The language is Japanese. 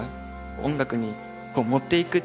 音楽に持っていく力